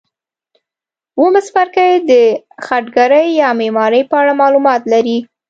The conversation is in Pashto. اووم څپرکی د خټګرۍ یا معمارۍ په اړه معلومات لري.